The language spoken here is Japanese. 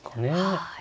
はい。